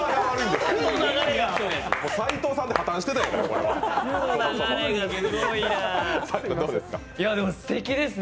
齋藤さんで破綻してたよね。